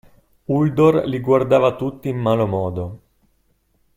Uldor li guardava tutti in malo modo.